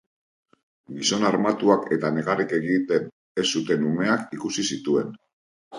Gizon armatuak eta negarrik egiten ez zuten umeak ikusi zituen.